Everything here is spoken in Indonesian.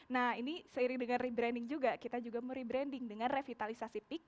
nah ini seiring dengan rebranding juga kita juga mau rebranding dengan revitalisasi pik